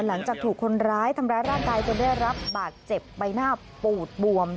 หลังจากถูกคนร้ายทำร้ายร่างกายจนได้รับบาดเจ็บใบหน้าปูดบวม